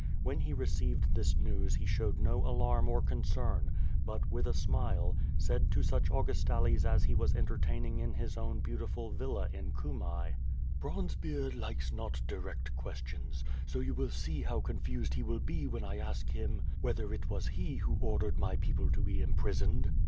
When he received this news he showed no alarm or concern, but, with a smile, said to such Augustales as he was entertaining in his own beautiful villa in Cumae: "Bronzebeard likes not direct questions, so you will see how confused he will be when I ask him whether it was he who ordered my people to be imprisoned."